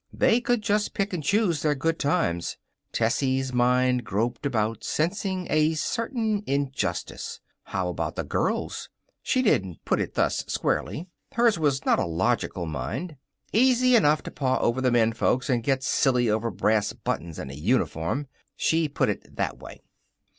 They could just pick and choose their good times. Tessie's mind groped about, sensing a certain injustice. How about the girls? She didn't put it thus squarely. Hers was not a logical mind. Easy enough to paw over the men folks and get silly over brass buttons and a uniform. She put it that way.